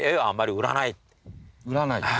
売らない？